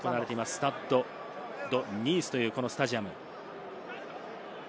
スタッド・ド・ニースという、このスタジアム。